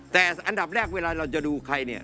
แต่อันดับแรกเวลาเราจะดูใครเนี่ย